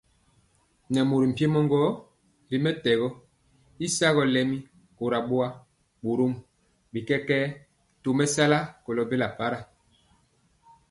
Nɛ mori mpiemɔ gɔ ri mɛtɛgɔ y sagɔ lɛmi kora boa, borom bi kɛkɛɛ tomesala kolo bela para.